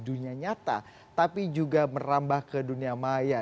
dunia nyata tapi juga merambah ke dunia maya